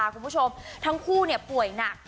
คุณผู้ชมทั้งคู่ป่วยหนัก